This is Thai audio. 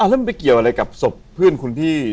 แล้วมันไปเกี่ยวอะไรกับศพเพื่อนคุณพี่